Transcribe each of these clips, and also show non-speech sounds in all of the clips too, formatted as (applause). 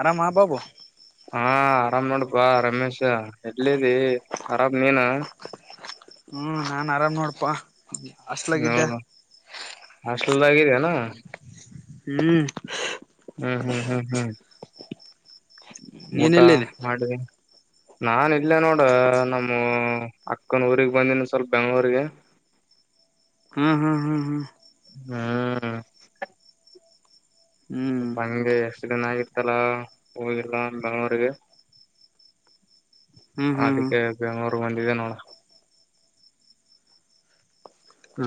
ಆರಾಮ ಹ ಬಾಬು ಹಾ ಆರಾಮ್ ನೋಡ್ಡಪಾ ರಮೇಶ ಎಲ್ಲಿದಿ ಆರಾಾಮ ನೀೀನು ಹ್ಮ್ ನಾನ್ ಆರಾಮ್ ನೋಡ್ಪ ಹಾಸ್ಟೆಲ್ ದಗ್ ಇದೆ. ಫುಲ್ ಆಗಿದೆನು. ಹ್ಮ್ ಹ್ಮ್ ಹ್ಮ್ ಹ್ಮ್ ಹ್ಮ್ ನೀನ್ ಊಟ ಎಲ್ಲಿದೆ ಮಾಡೆದಿ? ನಾನ್ ಇಲ್ಲೇ ನೋಡ ನಮ್ಮ, ಅಕ್ಕನ ಉರಿಗ್ ಬಂದಿನ ಸ್ವಲ್ಪ ಬೆಂಗ್ಳೂರಿಗೆ, ಹ್ಮಂ ಹ್ಮಂ ಹ್ಮಂ ಹ್ಮಂ ಹ್ಮ್ ಹ್ಮ್ ಸ್ವಲ್ಪ ಹಂಗೆ ಎಷ್ಟುದಿನ ಆಗಿ ತಲ್ಲ ಹೋಗಿಲ್ಲನವರಿಗೆ ಹ್ಮ್ ಹ್ಮ್ ಹ್ಮ್ ಅದಕ್ಕೆ ಬೆಂಗ್ಗಳೂರು ಬಂದಿದೆ ನೋಡ.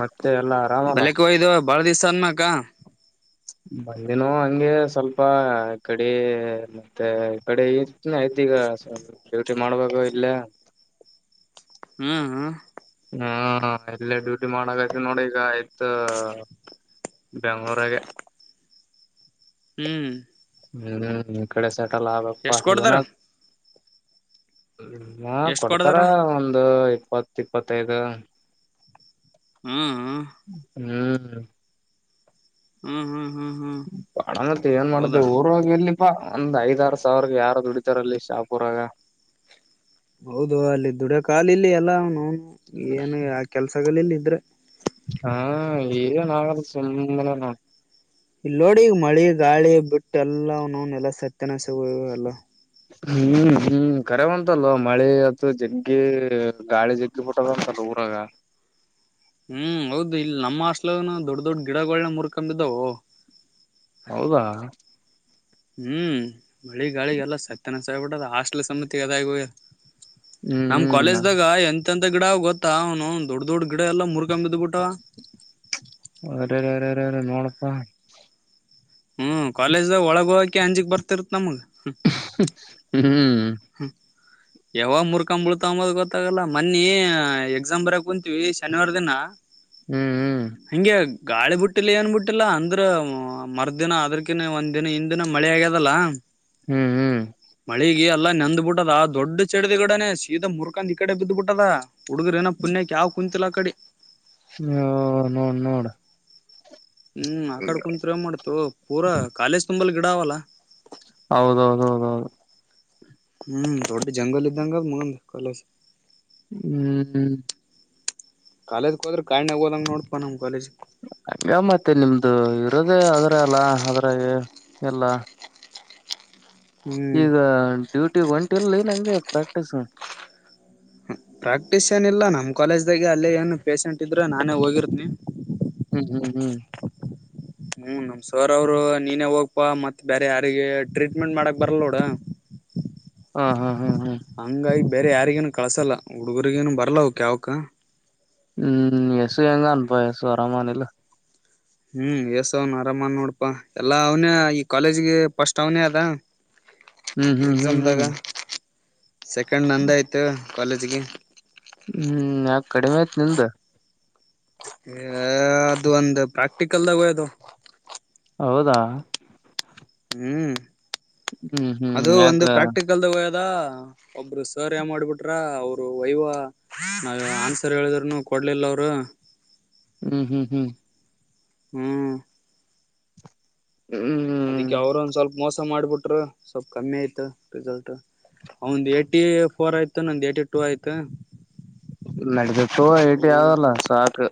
ಮತ್ತೆ, ಮತ್ತೆ ಎಲ್ಲಾ ಆರಾಮಲ್ಲ ಬಾಳೆ ದಿವಸನ್ ನಕಾ ಬಂದಿನ ಹಂಗೆ ಸ್ವಲ್ಪ ಕಡೆ ಮತ್ತೆ ಈ ಕಡೆ ಇತ್ನ ಆಯ್ತ್ ಈಗ ಡ್ಯೂಟಿ ಮಾಡ್ಬೇಕು ಇಲ್ಲೇ, ಹ್ಮ್ ಹ್ಮ್ ಹ್ಮ ಎಲ್ಲೇ ಡ್ಯೂಟಿ ಮಾಡಕ್ತ ನೋಡಿ ಈಗ ಆಯ್ತ ಬೆಂಗ್ಳೂರ್ ಆಗೆ ಹ್ಮ್ ಹ್ಮ್ ಈ ಕಡೆ ಸೆಟಲ್ ಆಗ್ಬೆಕ್. ಎಷ್ಟು ಕೊಡ್ತಾರ? ಹ್ಮ ಕೊಡ್ತಾರ ಒಂದು ಇಪ್ಪತ್ತು ಇ ಇಪ್ಪತ್ತೈದು ಹ್ಮ್ ಹ್ಮ ಹ್ಮ್ (unintelligible) ಬಣ ಏನ್ ಮಾಡ್ದ ಹೌದಾ ಊರಾಗ ಎಲ್ಲಿ ಒಂದ್ ಐದರು (unintelligible) ಸಾವಿರ ಯಾರ ದುಡಿತಾರಲ್ಲಿ ಶಾಪೂರಾಗ ಹೌದು ಅಲ್ಲಿ ದುಡ ಕಾಲ ಇಲ್ಲಿ ಎಲ್ಲ ಅವನ ನೌನ್. ಏನು ಯಾವ್ ಕೆಲಸ ಆಗ ಇಲ್ಲಿದ್ರ. ಹಾ (unintelligible) ಆಗಾದ ಸುಮ್ಮನೆ ನ ಇಲ್ಲ ನೋಡಿ ಈಗ ಮಳಿ ಗಾಳಿ ಬಿಟ್ಟ ಎಲ್ಲ ಅವನೌನ ಎಲ್ಲಾ ಸತ್ಯನಾಶ ಆಗಿ ಹೋಗ್ಯಾವ್ ಎಲ್ಲಾ. ಹ್ಮ್ ಹ್ಮ್ ಕರವಂತಲ್ವ ಮಳೆ ಅತ್ತು ಜಗ್ಗಿ ಗಾಳಿ ಜಗ್ಗಿ ಬಿಟ್ಟದಂತಲ್ಲ ಊರಾಗ. ಹ್ಮ್ ಹೌದು ಇಲ್ಲಿ ನಮ್ಮ ಹಾಸ್ಟೆಲ್ ದೊಡ್ಡ ದೊಡ್ಡ ಗಿಡಗಳನ ಮುರ್ಕೊಂಬಿದ್ದವು. ಹೌದಾ ಹ್ಮ್ ಮಳಿ ಗಾಳಿಿಗೆ ಎಲ್ಲ ಸತ್ಯನಾಶ ಆಗಿಬಿಟ್ಟದ ಹಾಸ್ಟ್ಲ ಸಮತಿ ಅದೇ ಅಗಿ ಹೊಗೆದ. ಹ್ಮ್ ನಮ ಕಾಲೇಜ ಹ್ಮ್ ದಾಗ ಎಂತ. ಇಂತ ಗಿಡ ಗೊತ್ತಾ ಅವನೌನ ದೊಡ್ಡ ದೊಡ್ ಗಿಡ ಎಲ್ಲ ಮುರ್ಕಂಬ ಬಿದ್ ಬಿಿಟ್ಟವ. (unintelligible) ನೋಡಪಾ ಹ್ಮ್ ಕಾಲೇಜ್ದಾಗ ಒಳಗ ಹೋಗೋಕೆ ಅಂಜಿಕ್ ಬರ್ತಿರತ್ತತ್ ನಮಗ. ಹ್ಮ ಹ್ಮ್ ಹ್ಮ ಯಾವಾಗ ಮುರ್ಕೊ್ ಬಳತಾವಂಬದ ಗೊತ್ತಾಗಲ್ಲ ಮನ್ನಿ ಎಕ್ಸಾಮ್ ಬರಿಯಾಕ್ ಬಂದಿವಿ ಶನಿವಾರ ದಿನ. ಹ್ಮ್ ಹ್ಮ್ ಹಂಗೆ ಗಾಳಿ ಬುಟ್ಟಿಲ್ಲ ಏನ್ಬ ಬಿಟ್ಟಿಲ್ಲ ಅಂದ್ರ ಮರ್್ದಿನ ಅದಕಿನ ಒಂದ್ ದಿನ ಹಿಂದ ದಿನ ಮಳೆ ಆಗ್ಯದಲ್ಲ ಹ್ಮ್ ಹ್ಮ್ ಮಳಿಗಿ (unintelligible) ಎಲ್ಲ ನೆಂದ್ಬ ಬಿಟ್ಟದ ದೊಡ್ ಚಡದಿ ಗಿಡನನೆ ಸೀದಾ ಮುರ್ಕಂದ್ ಈ ಕಡೆ ಬಿದ್ದ್ಬ ಬಿಟ್ಟದ ಹುಡುಗ್ರ ಏನ ಪುಣ್ಯಕ್ಕೆ ಯಾವ ಕುಂತಿಲ್ಲ ಆ ಕಡಿ. ಹ ನೋಡ್ ನೋಡ್ ಹ್ಮ್ ಆಕಡ್ ಕುತ್ ಮಾಡ್ತು ಪೂರ ಕಾಲೇಜ್ ತುಂಬಲ್ (unintelligible) ವಲ್ಲ ಹೌದ ಹೌದ ಹೌದ ಹೌದೆ ಹ್ಮ್ ದೊಡ್ಡ ಜಂಗಲ್ ಇದ್ದಂಗ ಅದ ಮಗಂದ ಕಾಲೇಜ್. ಹ್ಮ್ಹ್ ಹ್ಮ್ಮ್ ಕಾಲೇಜ್ ಹೋದ್ರ ಕಾಡ್ ನ್ಯಾಗ ಹೋದಂಗ ನೋಡ್ಪಾ ನಮ್ ಕಾಲೇಜ್. ಹಂಗ ಮತ್ತೆ ನಿಮ್ದು ಇರೋದೇ ಅದ್ರ ಅಲ್ಲ ಅದ್ರಾಗ ಎಲ್ಲ. ಹ್ಮ್ ಈಗ ಡ್ಯೂಟಿಗಿ ಹೊಂಟಿಲಲಿ ಏನ ಹಂಗೆ ಪ್ರಾಕ್ಟೀಸ್. ಪ್ರಾಕ್ಟೀಸ್ ಏನ ಇಿಲ್ಲ ನಮ್ಮ್ ಕಾಲೇಜ್ದಾಗ ಅಲ್ಲೇ ಏನು ಪೇಶೆಂಟ್ ಇದ್ರೆ ನಾನೇ ಹೋಗಿರ್ತನಿ. ಹ್ಮ್ ಹ್ಮ್ ಹ್ಮ್ ಹ್ಮ ನಮ್ ಸರ್ ಅವರು ನೀನೇ ಹೋಗ್ಪಾ ಮತ್ತತ್ ಬೇರೆ ಯಾರಿಗೆ ಟ್ರೀಟ್ಮೆಂಟ್ ಮಾಡಕ್ ಬರಲ್ೋಡ. ಹಾ ಹಾ ಹಾ ಹಾ ಬೇರೆ ಯಾರಿಗೇನು ಕಳ್ಸಲ್ಲ ಹುಡುಗರಿಗೇನು, ಬರಲ್ಲ ಅವ್ಕ್ ಯಾವಕ್ ಹ್ಮ್ ಯಸು ಹೆಂಗ ಅದನಪ ಯಸು ಅರಾಮಾ ಅದನ ಇಲ್ಲ. ಹ್ಮ್ ಯಸ ಅವನ್ ಆರಾಮನ್ ನೋಡಪಾ ಎಲ್ಲಾ ಅವನೇ ಈ ಕಾಲೇಜಗೆ ಫಸ್ಟ್ ಅವನೇ ಅದ. ಹ್ಮ್ ಹ್ಮ್ ಹ್ಮ್ ಎಕ್ಸಾಮ್ದಾಗ ಹ್ಮ್ ಸೆಕೆಂಡ್ ನಂದ ಆಯ್ತು. ಕಾಲೇಜಿಗೆ ಹ್ಮ್ ಯಾಕ ಕಡಿಮೆ ಆಯ್ತ್ ನಿಂದ್? ಹ ಅದು ಒಂದು ಪ್ರಾಕ್ಟಿಕಲ್ದಾಗ ಹಾಯ್ದು ಹೌದಾ ಹ್ಮ್ ಹ್ಮ್ ಅದು ಹ್ಮ್ ಯಾಕ ಒಂದು ಪ್ರಾಕ್ಟಿಕಲ್, ದ ಒಬ್ರು ಸರ್ ಏ ಮಾಡಬಿಟ್ರ ಅವರು ವೈವ ನಾವ ಆನ್ಸರ್ ಹೇಳಿದ್ನು ಕೊಡ್ಲಿಲ್ಲ ಅವರು, ಹ್ಮ್ ಹ್ಮ್ ಹ್ಮ್ ಹ್ಮ್ ಹ್ಮ್ ಅದಕ್ಕೆ ಅವರು ಒಂದ್ ಸ್ವಲ್ಪ ಮೋಸ ಮಾಡ್ಬಿಟ್ರು ಸ್ವಲ್ಪ ಕಮ್ಮಿ ಆಯ್ತ, ರಿಸಲ್ಟ್ ಅವಂದ ಏಟಿ ಫೋರ್ ಆಯ್ತು ನಂದ ಏಿ ಟೂ ಆಯ್ತ, ನಡದತ್ತುು ಟಿ ಆಲ್ಲ ಸಾಕ್,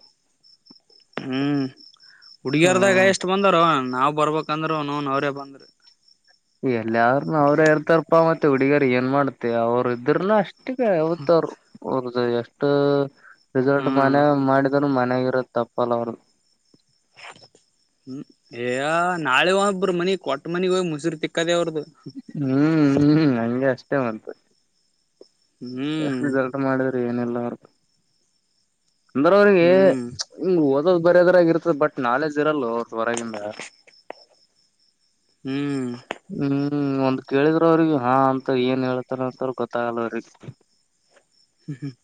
ಹ್ಮ್ ಹುಡ್ಗಿಯರದಾಗ ಹ್ಮ್ ಎಷ್ಟು ಬಂದಾರ, ನಾವವು ಬರ್ಬೇಕಂದ್ರೆನು ಅವ್ರೇ ಬಂದ್ರ್ ಎಲ್ಲಾರನು ಅವ್ರ ಇರ್ತಾರಪ್ಪಾ ಮತ್ತೆ ಹುಡಿಗರ್ ಏನ್ ಮಾಡ್ತೆ ಅವರು ಇದ್ರೂನು ಅಷ್ಟ, ಯಾವತ್ತುಾರ ಅವರು, ಎಷ್ಟು ರಿಸಲ್ಟ್ ಹ್ಮ್ ಮನೆ ಮಾಡಿದ ಮನೆೆಯಗಿರದು ತಪ್ಪಲರು ಹ್ಮ್ ಏ ನಾಳೆ ಒಬ್ರ ಮನಿಗ್ ಕೊಟ್ಟ ಮನಗ್ ಹೋಗ್ ಮುಸಿರು ತಿಕ್ಕದೇ ಅವರದು ಹ್ಮ್ ಹ್ಮ್ ಹಂಗೆ ಅಷ್ಟೇ ಮಂತ ಎಷ್ಟ ಹ್ಮ್ ರಿಸಲ್ಟ್ ಮಾಡಿದ ಅಏನ ಎಲ್ಲ ಅಂದ್ರ ಅವ್ರಿಗೆ ಹ್ಮ್ ಹಂಗ ಹ ಬರದ್ರಾಗಿ ಇರ್ತದೆ ಬಟ್ ನಾಲೆಜ್ ಇರಲ್ ಅವ್ರದ ಹೊರಗಿಂದ ಹ್ಮ್ ಹ್ಮ್ ಒಂದ್ ಕೇಳಿದ್ರ ಅವ್ರಿಗೆ ಹಾ ಅಂತ ಏನ್ ಹೇಳ್ತಾರ ಅಂತ್ರ ಗೊತ್ತಾಗಲ್ಲ ಅವ್ರಿಗೆ ಹ್ಮ್ ಹ್ಮ್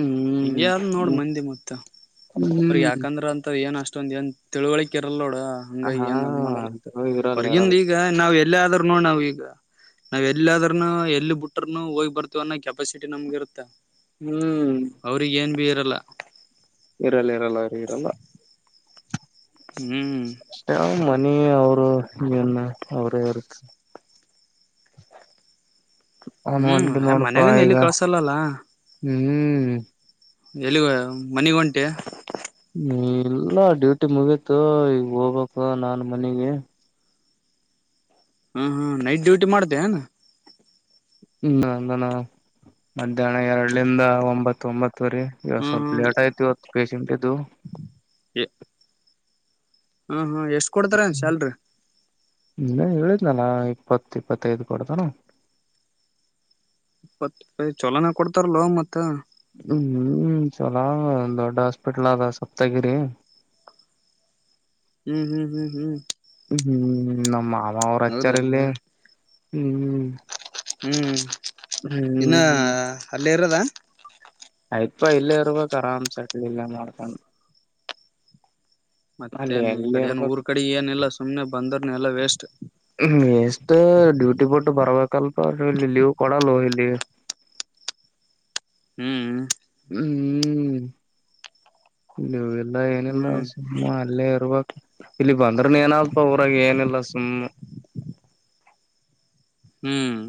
ಹ್ಮ್ ಹೆಂಗಗೆ ಯಾರು ನೋಡ ಹ್ಮ್ ಮಂದಿ ಮತ್ತ, ಅವ್ರಗ್ ಹ್ಮ್ ಯಾಕಂದ್ರ ಅಂತ ಏನ್ ಅಷ್ಟೊಂದ ಏನ್ ತಳುವಳಿಕಿರಲೊಡ ಹ ಹಂಗಾಗಿ ಹಾ ಏನ್ ಅದ್ ಮಾಡಲ್ಲ ಅಂತ ಇರಲ್ಲ ಇರಲ್ಲ ಹೊರ್ಗಿಂದ ಈಗ ನಾವ್ ಎಲ್ಲ ಆದ್ರು ನೋಡ್ ನಾವಿಗ. ನಾವ್ ಎಲ್ಲಾದ್ರುನು ಎಲ್ಲಿ ಬಿಟ್ರರುನು ಹೋಗಿ ಬರ್ತೀವಿ ಅನ್ನೋ ಕೆಪಾಸಿಟಿ ನಮ್ಗ ಇರುತ್ತ. ಹ್ಮ್ ಅವ್ರಿಗ್ ಏನ್ ಬಿ ಇರ ಲ್ಲ ಇರಲ್ಲ ಇರಲ್ಲ ಅವ್ರಿಗ್ ಇರಲ್ಲ. ಹ್ಮ್ ಯಾವ ಮನಿ ಅವರು ನ್ ಅವರೇರುತ್ತ ಅವನ್ ಒಂಟಿ ಹ್ಮ್ ನೋಡಪಾ ಮನ್ಯಾಗನ್ ಈಗ ಎಲ್ಲಿ ಕಳ್ಸಲ್ಲಲ್ಲ ಹ್ಮ್ ಎಲ್ಲಿಗ ಮನಿಗ್ ಹೊಂಟೆ ನೀ ಇಲ್ಲ ಡ್ಯೂಟಿ ಮುಗೀತು ಈಗ್ ಹೋಗ್ಬೇಕು ನಾನು ಮನಿಗೆ ಹ ಹ ನೈಟ್ ಡ್ಯೂಟಿ ಮಾಡ್ತೆನ್ ಹ್ಮ ನಂದನ (unintelligible) ಮಧ್ಯಾಹ್ನ ಎರಡ್ಲಂದ ಒಂಬತ್ತ ಒಂಬತ್ ತೊರಿ ಇವತ್ ಹ್ಮ್ ಸ್ವಲ್ಪ್ ಲೇಟ್ ಹ್ಮ್ ಆಯ್ತಿ ಇವತ್ತು ಪೇಶಂಟ್ ಇದ್ವು. ಹ್ಮ (unintelligible) ನಿನ್ನೆ ಹೇಳಿದ್ನಲ ಇ ಇಪ್ಪತ್ ಇಪ್ಪತ್ತೈದು ಕೊಡ್ತರ. ಇಪ್ಪತ್ತು ಚಲೋನ ಕೊಡ್ತಾರಲ ಮತ್ತ. ಹ್ಮ್ ಚಲ ದೊಡ್ಡ ಹಸ್ಪಿಟಲ್ ಆದ ಸಪ್ತಗಿರಿ ಹ್ಮ್ ಹ್ಮ್ ಹ್ಮ್ ಹ್ಮ್ ಹ್ಮ್ ನಮ್ಮಾಂ ಅವರ್ ಅಚ್ಚಾರಲ್ಲೇ ಹೌದಾ ಹ್ಮ್ ಹ್ಮ್ ಹ್ಮ್ ಇನ್ನ ಅಲ್ಲೆ ಇರದ? (inaudible) ಇಪ್ಪ ಇಲ್ಲೇ ಇರ್ಬೇಕ್ ಆರಾಮ್ ಸೆಟ್ಲ್ ಇಲ್ಲೆ ಮಾಡ್ಕೊಂಡ್ ಮತ್ತೆನ್ ಈ ಎಲ್ಲಿ ಕಡೆ ಏನ ಇರ್ಬೇಕು ಊರ್ ಕಡೆ ಏನಿಲ್ಲಾ ಸುಮ್ನೆ ಬಂದರ್ ನೆಲ್ಲ ವೇಸ್ಟ್. ಎಷ್ಟ ಡ್ಯೂಟಿ ಬಿಟ್ಟು ಬರ್ಬೇಕಲ್ಪ ಅವ್ರ ಇಲ್ಲಿ ಲೀವ್ (unintelligible) ಹ್ಮ್ ಹ್ಮ್ (unintelligible) ಇಲ್ಲ ಏನಿಲ್ಲ ಹ್ಮ್ ಸುಮ್ಮ ಅಲ್ಲೇ ಇರ್ಬೇಕ್ ಇಲ್ಲಿ ಬಂದ್ರನು ಏನಲ್ಪ ಊರಾಗ ಏನಿಲ್ಲ ಸುಮ್ ಹ್ಮ್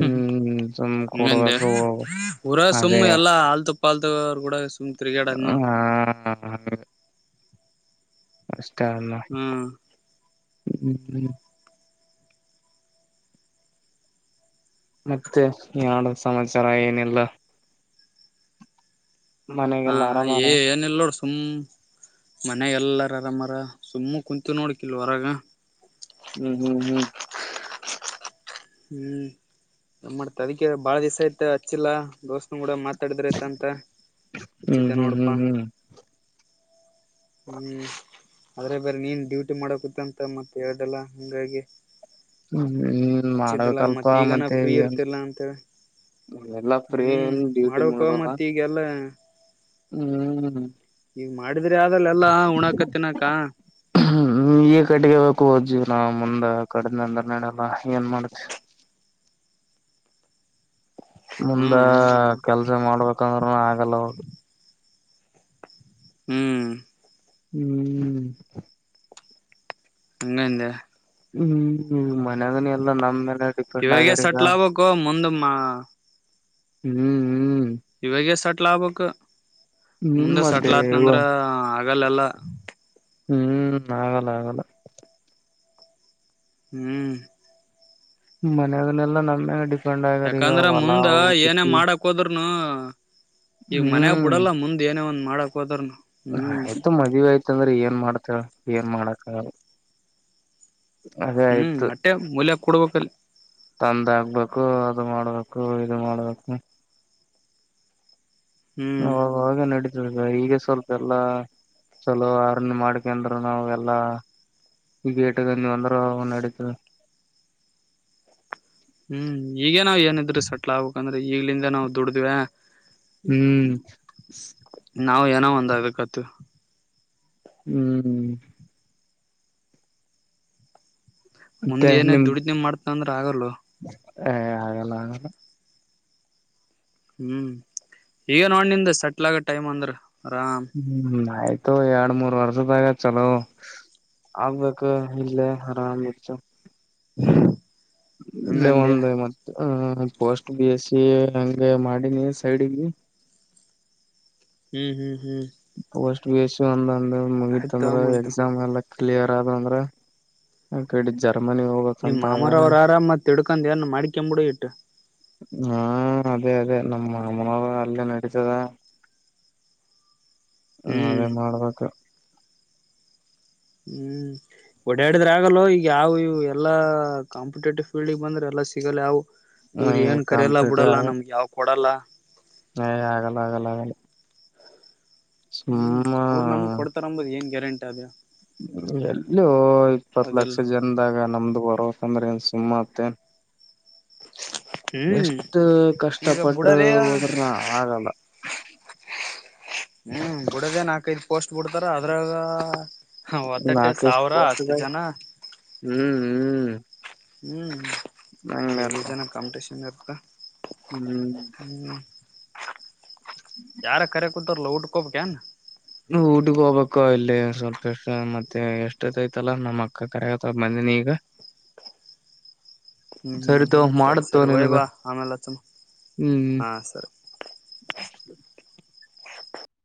ಹ್ ಹ್ಮ್ ಸುಮ್ ಕೊಡ್ಬೇಕು (unintelligible) ಹೋಗ್ಬೇಕು. ಊರಗ್ ಅದೇ ಸುಮ್ಮನೆ ಎಲ್ಲಾ ಆಲ್ತುಪ್ ಪಾಲ್ತಗಾರು ಹಾ ಹಂಗೆ. ಕಾರ ನ ಹ್ಮ್ ಹ್ಮ್ ಹ್ಮ್ ಮತ್ತೆ ಯಡ ಸಮಾಚಾರ ಏನಿಲ್ಲ ಹಾ ಮನೆಗೆಲ್ಲ ಆರಾಮಾರ ಏ ನ ಎಲ್ಲ ನೋಡ್ಸ ಸುಮ್ಮ್ ಮನೆ ಎಲ್ಲಾರರಾಮರ ಸುಮ್ಮ ಕುಂತು ನೋಡ್ಕಲ್ ಹೊರಗ ಹ್ಮ್ ಹ್ಮ್ ಹ್ಮ್ ಹ್ಮ್ ಮಾಡ್ತ ಅದಕ್ಕೆ ಬಾಳ ದಿವ್ಸ್ ಆಯತೆ ಹಚ್ಚಿಲ್ಲ ದೋಸ್ತನ ಕೂಡ ಮತ್ ಮಾತಾಡಿದ್ರೈತ ಅಂತ ಹ್ಮ್ ಇಚ್ಚಿದ್ದೆ ಹ್ಮ್ ನೋಡಪ್ಪ ಹ್ಮ್ ಹ್ಮ್ ಹ್ಮ್ ಹ್ಮ್ ಆದ್ರೆ ಬರ ನೀನ್ ಡ್ಯೂಟಿ ಮಾಡಕತ್ಂತ ಮತ್ತತ್ ಎಡದ್ಲ್ಲ ಹಂಗಾಗಿ ಹ್ಮ್ಮ ಹಚ್ಚಿದ್ದಿಲ್ಲ ಮಾಡ್ಬೇಕಲ್ಪ ಮತ್ ಈಗನ ಫ್ರೀ ಮತ್ತೆನ್ ಇರ್ತಿಲ್ಲ ಅಂತೇಳಿ ಎಲ್ಲ ಫ್ರೀ ಹ್ಮ್ ನ್ ಡ್ಯೂಟಿ ಮಾಡಬೇಕ ಮುಗ್ದದ ಮತ್ ಈಗೆಲ್ಲಾ ಹ್ಮ್ ಈಗ್ ಮಾಡಿದ್ರೆ ಆದಲ್ಲ ಎಲ್ಲಾ ಹುಣಾಕ ತಿನಕ ನಾ ಮುಂದ ಕಡ್ ಅಂದಲ್ಲ ನಡಪ್ಪ ಏನ್ ಮಾಡುತ್ತೆ ಮುಂದ ಹ್ಮ್ ಕೆಲ್ಸ ಮಾಡ್ಬೇಕ್ ಕರ್ವ ಆಗಲ್ಲ ಅವ್ ಹ್ಮ್ ಹ್ಮ್ ಅಂಗಂದ ಹ್ಮಹ್ಮ್ ಮ ನಗನ ಎಲ್ಲ ನಮ್ಮ ಮೇಲೆ ಡಿಪೆಂಡ್ ಆಗಾರ ಈಗ ಮ ಹ್ಮ್ ಹ್ಮ್ ಇವಾಗೆ ಸ ಇಕ್ಲಾಗ್ಬೇಕ್ ಹ್ಮ್ ಮುಂದೆ ಮತ್ತೆ ಸೆಟ್ಲ್ ಇವ ಆತ್ನಂದ್ರ ಆಗಲ್ಲ ಎಲ್ಲ ಹ್ಮ್ ಆಗಲ್ಲ ಆಗಲ್ಲ ಹ್ಮ್ ಮನದನ್ನನೆಲ್ಲಾ ನಮ್ಮೆ ಅಡಿ ಯಾಕಂದ್ರ ಮುಂದ್ ಏನೇ ಮಾಡಕ್ ಹೋದ್ರು ಮ ಈಗ ಮನ್ಯಾಗ ಹ್ಮ್ ಬಿಡಲ್ಲ ಮುಂದ್ ಏನೇ ಒಂದ್ ಮಾಡಕ್ ಹೋದ್ರೂ ಆಯ್ತು ಮದ್ವಿ ಆಯ್ತಂದ್ರೆ ಏನ್ ಮಾಡ್ತವ್ ಏನ್ ಮಾಡಕ್ಕ ಅದೇ ಹ್ಮ್ ಆಯ್ತು ಅಟ್ಟೆ ಮೂಲ್ಯ ಕೊಡ್ಬೇಕಲ್ ಇದ್ ಆಗ್ಬೇಕು ಅದ್ ಮಾಡ್ಬೇ ಕು ಇದು ಮಾಡ್ಬೇಕು. ಹ್ಮ್ ಅವ್ ವಾಗೆ ನಡೀ ಈಗೆ ಸ್ವಲ್ಪ ಎಲ್ಲಾ ಚಲೋ ಹರ್ನ ಚಲೋ ಮಾಡ್ಕಂದ್ರ ನಾವ್ ಎಲ್ಲಾ ಈಗೆ ಇಟೋಗಿವಿ ಅಂದ್ರ ನಡೀತದ. ಹ್ಮ್ ಈಗೇ ನಾವ್ ಏನಿದ್ರೂ ಸೆಟ್ಲ್ ಆಗ್ಬೇಕ್ ಅ ಈಗ್ಲಿಂದ ನಾವು ದುಡಿದ್ವ ಹ್ಮ್ ನಾವ್ ಏನೋ ಒಂದಾಗ್ಬೇಕತ್ತ ಹ್ಮ್ ಮತ್ತೆ ಮುಂದೆ ಏನೇ ದುಡಿತ್ನಿ ಮಾಡುತ್ ಆಗಲ್ಲೋ ಹೇ ಹಾಗಲ್ಲ ಹ್ಮ್ ಈಗ ನೋಡ್ ನಿಂದ ಸೆಟ್ಲ್ ಆಗ ಟೈಮ್ ಅಂದ್ರ. ಆರಾಮ್ ಹ್ಮ್ ಆಯ್ತು ಎರಡ್ ಮೂರ್ ವರ್ಷದಗ ಚಲೋ (unintelligible) ಆಗ್ಬೇಕು ಇಲ್ಲೆ ಆರಾಮ್ ಇದ್ದು. (unintelligible) ಇಲ್ಲೇ ಹಂಗಂದೆ ಒಂದ್ ಮತ್ ಹ ಪೋಸ್ಟ್ ಬೀ ಎಸ್ಸಿ ಹಂಗ ಮಾಡಿನಿ ಸೈಡ್ ಗಿ. ಹ್ಮ್ ಹ್ಮ್ ಹ್ಮ್ ಬೀ ಎಸ್ಸಿ ಒಂದ ಒಂದ್ ಮುಗತ ಆಯ್ತ ಅಂದ್ರ ಮತ್ತ ಎಕ್ಸಾಮ್ ಎಲ್ಲ ಕ್ಲಿಯರ್ ಆದ್ ಅಂದ್ರ ಆಕಡೆ ಜಾ ನಿಮ್ಮಮರವರ ಆರಾ ಮತ್ ಇಡ್ಕೊಂಡು ಏನೇನ್ ಮಾಡ್ಕೊಂಡ್ಬಿಡು ಇಟ್ಟು. ಹಾ ಅದೇ ಅದೇ ನಮ್ಮ ಮನ ಅಲ್ಲೇ ನಡೀತದ ಹ್ಮ ಹ್ಮ್ ಅದೇ ಮಾಡ್ಬೇಕು. ಹ್ಮ್ ಓಡಾಡಿದ್ರ ಆಗಲ್ಲ ಈಗ ಯಾವು ಇವು ಎಲ್ಲಾ ಕಾಂಪಿಟೇಟಿವ್ ಫೀಲ್ಡ್ಗ್ ಬಂದ್ರೆ ಎಲ್ಲಾ ಸಿಗಲ್ಲ ಯಾವು. ಇವ್ರ ಏನ್ ಕರೆಯಲ್ಲ ಬಿಡಲ್ಲ ನಮ್ಗೆ ಯಾವ್ ಕೊಡಲ್ಲ. ಹೇ ಆಗಲ ಆಗಲ ಆಗಲ. ಹ್ಮ್ ಅವರ್ ನಮ್ಗ ಕೊಡ್ತರಂಬೋದು ಏನ್ ಗ್ಯಾರಂಟ ಆದ ಹೇಳ್ ಎಲ್ಲೂ ಇಪ್ಪತ್ ಲಕ್ಷ ಅದೆಲ್ಲ ಜನದಾಗ ನಮ್ದು ಬರ್ಬೇಕು ಅಂದ್ರ ಏನ್ ಸುಮ್ ಆತೆನ್ ಹ್ಮ್ ಎಷ್ಟು ಈಗ ಕಷ್ಟಪಟ್ಟರು ಬುಡದೇ ಹೋದ್ರನು ಆಗಲ್ಲ. ಹ್ಮ್ ಬುಡದೇ ನಾಕೈದು ಪೊಸ್ಟ್ ಬಿಡ್ತಾರಾ (unintelligible) ಅದ್ರಾಗ ಹೊತ್ತಟೆ ನಾಲ್ಕು ಸಾವಿರ ಹತ್ತು ಸ್ಪೋರ್ಟ್ಸ್ದಾಗ ಜನ ಹ್ಮ್ ಹ್ಮ್ ಹ್ಮ್ ಏಳು ಹಂಗಂತ ಜನ ಕಾಂಪಿಟೇಶನ್ ಹ ಹ್ಮ್ ಯಾರ ಕರೆಕೂಂತರಲ್ಲ ಊಟಕಹೋಗಬೇಕೇನ ಊಟಗ ಹೋಗ್ಬೇಕು ಇಲ್ಲಿ ಸ್ವಲ್ಪಷ್ಟ ಮತ್ತೆ ಎಷ್ಟತ್ ಐತಲ್ಲ ನಮ್ಮ್ ಅಕ್ಕ ಕರೆಕಥಾಳ ಬಂದನಿ ಈಗ (unintelligible) ಹ್ಮ್ ಹ್ಮ್ ಸರಿತೋ ಹ್ಮ್ ಸರಿ ಮಾಡತೋ ಸರಿ ಹೋಗಿ ನಿನ್ಗ ಬಾ ಆಮೇಲ್ಲ ಅಚ್ಚಮ್ ಹ್ಮ್ ಹಾ ಸರಿ